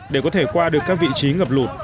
để có thể qua được các vị trí ngập lụt